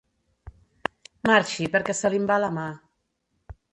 Marxi perquè se li'n va la mà.